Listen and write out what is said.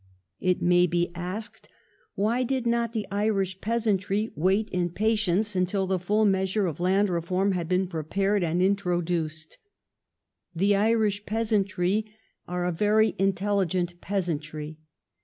It may be asked why did not the Irish peasantry wait in patience until the full measure of land reform had been prepared and introduced. The Irish peasantry are a very intelligent peasantry.